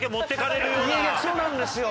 そうなんですよ。